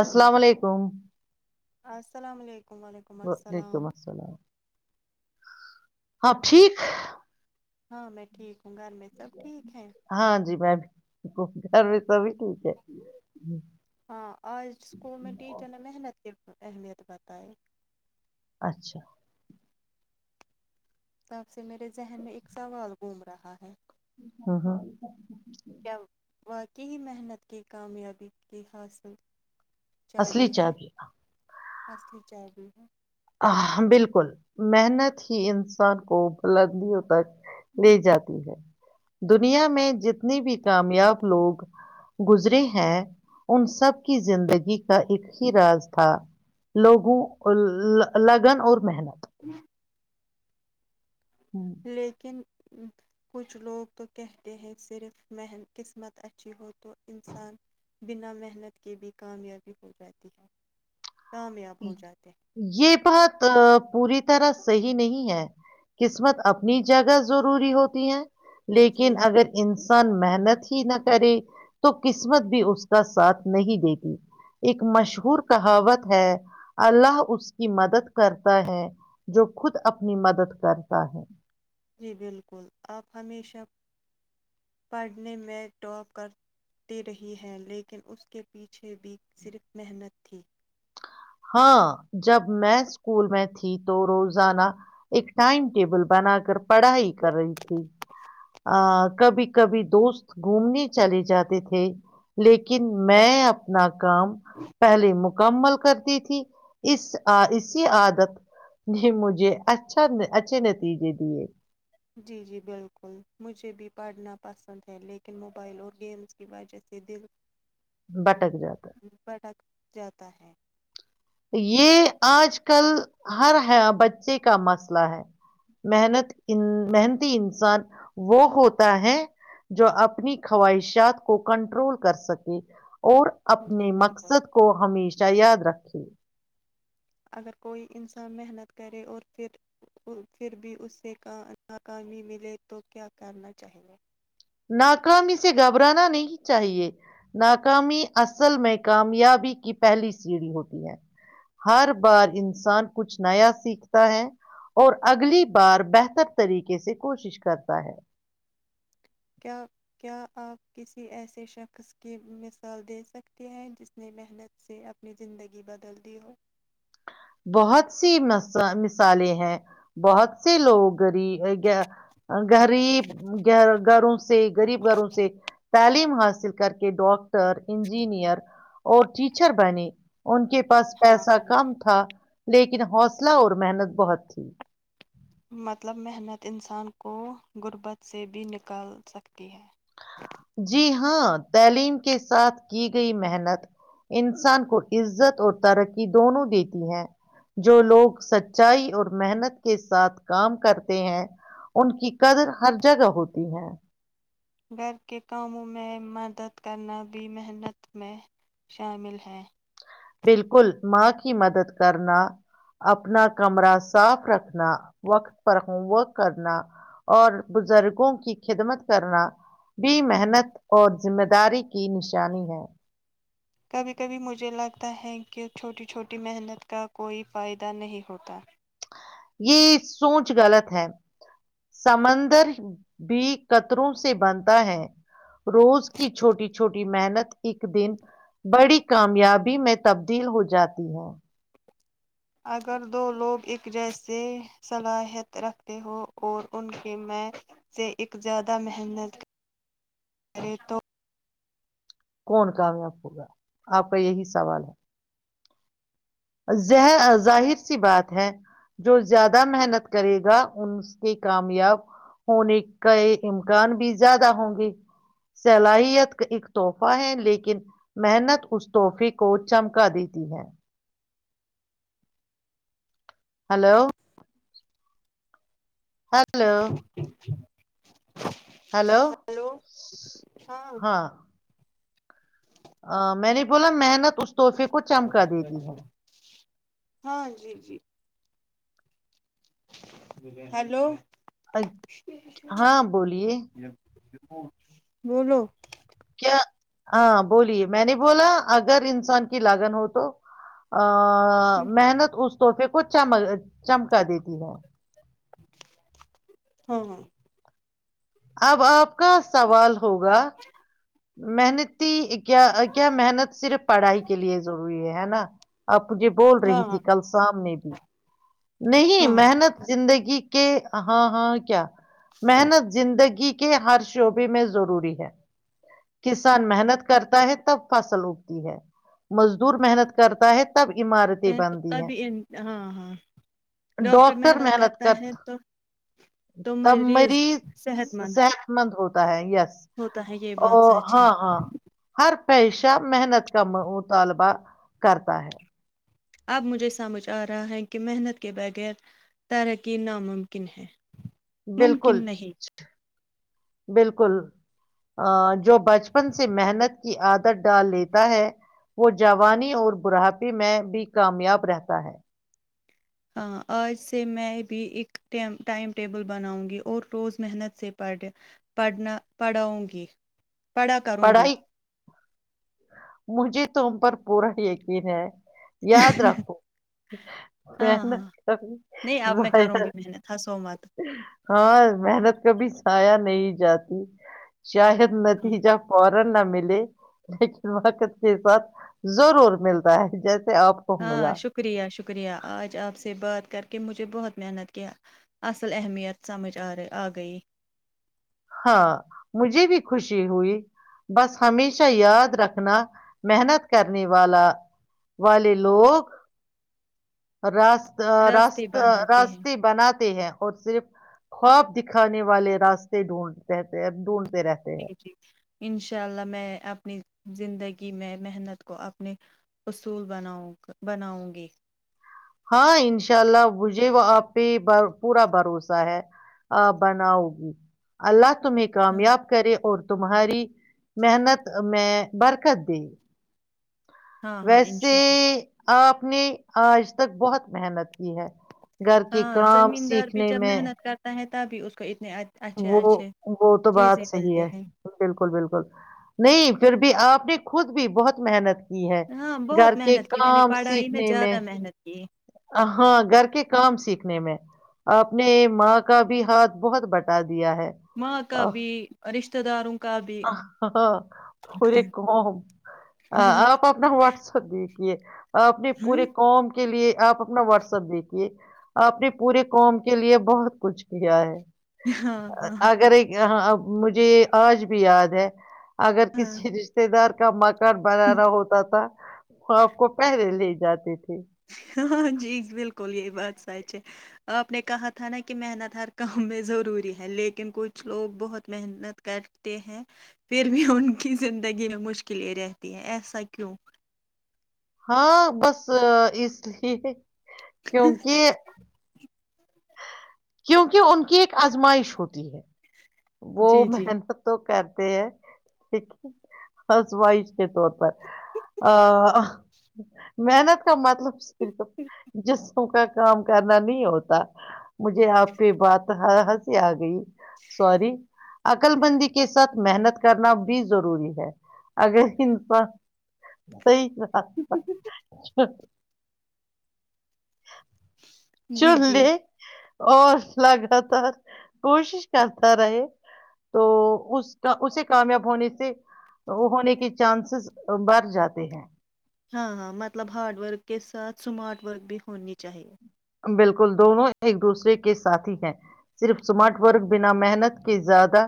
السلام علیکم السلام علیکم وعلیکم وعلیکم السلام السلام ہاں ٹھیک ہاں میں ٹھیک ہوں گھر میں سب ٹھیک ہیں ہاں جی میں بھی گھر میں توب بھی ٹھیک ہے ہاں آج اسکول میں ٹیچر نے محنت کر اہمیت بتائےیں اچھا تب سے میرے ذہن میں ایک سوال گھوم رہا ہے کیا [inaudible] واقعی محنت کے کامیابی گ حاصل اصلی چابی چاہ ہے بھیھیا اصلی چاہیی ہے [unintelligible] [unintelligible] بالکل محنت ہی انسان کو بلندیوں تک لے جاتی ہے دنیا میں جتنی بھی کامیاب لوگ گزرے ہیں ان سب کی زندگی کا ایک ہی راز تھا لوگوں ال لگن اور محنت [inaudible] لیکن کچھ لوگ تو کہتے ہیں صرف من قسمت اچھی ہو تو انسان بنا محنت کے بھی کامیابی ہو جاتی ہے کامیاب ہو جاتے یہ بہت پوری طرح صحیح نہیں ہے قسمت اپنی جگہ ضروری ہوتی ہے ہیں لیکن جی اگر ان محنت ہی نہ کرے تو قسمت بھی اس کا ساتھ نہیں دیتی ایک مشہور کہاوت ہے اللہ اس کی مدد کرتا ہے جو خود اپنی مدد کرتا ہے جی بالکل آپ ہمیشہ پڑھنے میں ٹاپ کرتے رہی ہیں لیکن اس کے پیچھے بھی صرف محنت تھی ہاں جب میں اسکول میں تھی تو روزانہ ایک ٹائم ٹیبل بنا کر پڑھائی کر رہی تھی ا کبھی کبھی دوست گھومنے چلے جاتے تھے لیکن میں اپنا کام پہلی مک [unintelligible] کمل کر [unintelligible] تھی اس اسی آادت نے مجھے اچھا اچھے نتیجے دیے جی جی بالکل مجھے بھی پڑھنا پسند ہے لیکن موبائل اور گیمس کی وجہ سے دل ہ بٹک جاتا ہے۔ ہ بٹات جاتا ہے یہ آج کل ہر بچے کا مسئلہ ہے محنت محنتی انسان وہ ہوتا ہے جو اپنی خواہشات کو کنٹرول کر سکے اور جی اپنے بالکل مقصد کو ہمیشہ یاد رکھیں اگر کوئی انسان محنت کرے اور پھر بھی اس سے کہا ناکامی ملے تو کیا کرنا چاہیے ناکامی سے گھبرانا نہیں چاہیے ناکامی اصل میں کامیابی کی پہلی سیڑھی ہوتی ہے ہر بار انسان کچھ نیا سیکھتا ہے اور اگلی بار بہتر طریقے سے کوشش کرتا ہے کیا آپ کسی ایسے شخص کی مثال دے سکتے ہیں جس نے محنت سے اپنی زندگی بدل دی ہو بہت سی م مثالیں ہیں بہت سے لوگ گغریب گ گغریب گ گھروں سے غریب گھروں سے تعلیم حاصل کر کے ڈاکٹر انجینئر اور ٹیچر بنے ان کے بس ہاں پیسہ ہاں کم تھا لیکن حوصلہ اور محنت بہت تھی مطلب محنت انسان کو غربت سے بھی نکل سکتی ہے جی ہاں تعلیم کے ساتھ کی گئی محنت انسان کو عزت اور ترقی دونوں دیتی ہے جو لوگ سچائی اور محنت کے ساتھ کام کرتے ہیں ان کی قدر ہر جگہ ہوتی ہے گھر کے کاموں میں مدد کرنا بھی محنت میں شامل ہے بالکل ماں کی مدد کرنا اپنا کمرہ صاف رکھنا وقت پر ہوم ورک کرنا اور بزرگوں کی خدمت کرنا بھی محنت اور ذمہ داری کی نشانی ہے کبھی کبھی مجھے لگتا ہے کہ چھوٹی چھوٹی محنت کا کوئی فائدہ نہیں ہوتا یہ سوچ غلط ہے سمندر بھی کطروں سے بنتا ہے روز کی چھوٹی چھوٹی محنت ایک دن بڑی کامیابی میں تبدیل ہو جاتی ہے اگر دو لوگ ایک جیسے صلاحیت رکھتے ہو اور ان کے میں سے ایک زیادہ محنت کریں تو کون کامیاب ہوگا آپ کا یہی سوال ہے ر ظاہر سی بات ہے جو زیادہ محنت کرے گا ان کے کامیاب ہونے کا امکان بھی زیادہ ہوں گے صلاحیت کا ایک تحفہ ہے لیکن محنت اس تحفے کو چمکا دیتی ہے ہلو ہلو ہلو ہیلو ہاں میں نے بولا محنت اس تحفے کو چمکا دیتی ہے ہاں جی جی ہیلو ہاں بولیے بولو کیا ہاں بولیے میں نے بولا اگر انسان کی لاگن ہو تو محنت اس تحفے کو چم چمکا دیتی ہے ہاں ہاں اب آپ کا سوال ہوگا محنتی کیا کیا محنت صرف پڑھائی کے لیے ضروری ہے نا آپ مجھے بول ہاں رہی تھی کل سامنے بھی [inaudible] نہیں ہاں محنت زندگی کہ ہاں ہاں کیا محنت زندگی کے کہ ہر شعبے میں ضروری ہے کسان محنت کرتا ہے تب فصل اگتی ہے مزدور محنت کرتا ہے تو پتا ہاں ہاں ڈاکٹر محنت کرتا تو تب مریض صحت مند صحت مند ہوتا ہے یس ہوتا ہے یہ بات اور سچ ہے ہاں ہاں ہر پیشہ محنت کا مطالبہ کرتا ہے اب مجھے سمجھ آ رہا ہے کہ محنت کے بغیر ترقی ناممکن ہے بالکل ممکن نہیں بالکل جو بچپن سے محنت کی عادت ڈال لیتا ہے وہ جوانی اور برھاپی میں بھی کامیاب رہتا ہے ہاں آج سے میں بھی ایک ٹی ٹائم ٹیبل بناؤں گی اور روز محنت سے پڑھ پڑھنا پڑھاؤں گی پڑھا کروں گی پڑھائی مجھے توم پر پورا یقین ہے یاد رکھو ہاں محنت ہاں کبی نہیں اب میں کروں گی محنت ہنسو مت ہاں محنت کبھی ایا نہیں جاتی شاید ہاں نتیجہ نہ ملے لیکن وقت کے ساتھ ضرور ملتا ہے جیسے آپ کو ہاں ملا شکریہ شکریہ آج آپ سے بات کر کے مجھے بہت محنت کیا اصل اہمیت سمجھ آے آ گئی ہاں مجھے بھی خوشی ہوئی بس ہمیشہ یاد رکھنا محنت کرنے والا والے لوگ راس راستے رست بناتے ہیں رستی بناتی ہے اور صرف خواب دکھانے والے راستے ڈھونڈ ڈھونڈ انشاءاللہ میں اپنی زندگی میں محنت کو اپنے اصول بناؤ بناؤں گی ہاں ان شاء اللہ مجھے وہ آپ پہ پورا بھروسہ ہے بناؤ گی اللہ تمہیں کامیاب کرے اور تمہاری محنت میں برکت دے ہاں ہاں ویسے انشاء آپ نے آج تک بہت محنت کی ہے گھر کے ہاں کام زمین دار بھی سیکھنے جب میں محنت کرتا ہے بھی اس کا انا وہ وہ تو بات صحی ملتے ہے ہیں بالکل بالکل نہیں پھر آپ نے خود بھی بہت محنت کی ہے ہاں گھر بہت کے محنت کی میں نے کام پڑھائی سیکھنے میں زیادہ محنت کی ہاں گھر کے کام سیکھ میں آپ نے ماں کا بھی ہاتھ بہت بٹ دیا ہے ماں کا بھی رشتہ داروں کا بھی کوم آپ اپنا واٹسپ د [inaudible] اپنے پورے قوم کے لیے آپ [inaudible] اپنا واٹسپ دیکھیے آپ نے پورے قوم کے لیے بہت کچھ کیا ہے ہاں, ہاں, اگر ایک [inaudible] مجھے آج بھی یاد ہے اگر ہاں, کسی رشتے دار ٹمک [inaudible] بنانا ہوتا تھا وہ آپ کو پہرے لے جاتے تھے جھ [inaudible] ہاں جی بالکل یہی بات آپ نے کہا تھا نا کہ محنت ہر کام میں ضروری ہے لیکن کچھ لوگ بہت محنت کرتے ہیں پھر بھی ان کی زندگی میں مشکلیں رہتی ہیں ایسا کیوں ہاں بس اس لیے کیونکہ کیونکہ ان کی ایک آزمائش ہوتی ہے وہ جی جی محنت تو کر لیکنسواہش کے طور پر محنت کا مطلب جس کا کام کرنا نہیں ہوتا مجھے آپ کی بات ہسی آ گئی سوری عقل بندی کے ساتھ محنت کرنا بھی ضروری ہے اگر انسان صحیح جی چل د جی اور لگاتار کوشش کرتا رہے تو اس کا اسے کامیاب ہونے سے ہونے کے چانسز بڑھ جاتے ہیں ہاں ہاں مطلب ہارڈ ورک کے ساتھ سمارٹ ورک بھی ہونی چاہیے بالکل دونوں ایک دوسرے کے ساتھ ہی ہیں صرف سمارٹ ورک بنا محنت کے زیادہ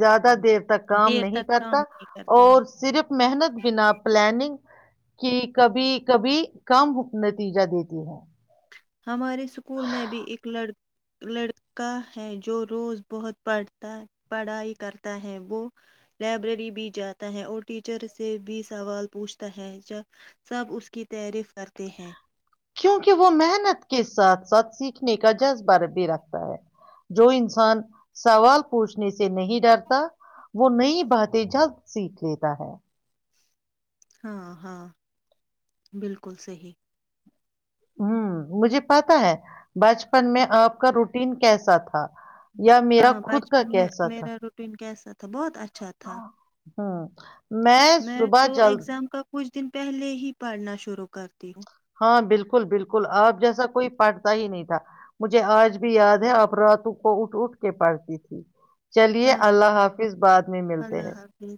زیادہ دیر تک کام دیر نہیں تک کام کرتا نہیں کرتے ہیں اور صرف [unintelligible] محنت بنا پلاننگ کی کبھی کبھی کم نتی تجا دیتی ہے [inaudible] ہمارے اسکول میں بھی ایک ل لڑکا ہے جو روز بہت پڑھتا پڑھائی کرتا ہے وہ لائبریری بھی جاتا ہے اور ٹیچر سے بھی سوال پوچھتا ہے جب سب اس کی تعریف کرتے ہیں کیونکہ وہ محنت کے ساتھ ساتھ سیکھنے کا جذبہ بھی رکھتا ہے جو انسان سوال پوچھنے سے نہیں ڈرتا وہ نئی باتیں جلد سیکھ لیتا ہے ہاں ہاں بالکل صی ہ مجھے پتا ہے بچپن میں آپ کا روٹین کیسا تھا یا میرا ہاں خود کا بچپن میں کیسا تھا میرا روٹین کیسا تھا بہت اچھا تھا ہوں میں صبح تو جلد ایگزام کا کچھ دن پہلے ہی پڑھنا شرو کر ہاں بالکل بالکل آپ جیسا کوئی پڑھتا ہی نہیں تھا مجھے آج بھی یاد ہے آپ راتوں کو اٹ اٹھ کے پڑھتی تھی [unintelligible] چلیے ہاں اللہ حافظ بعد میں ملتے ہیں اللہ حافظ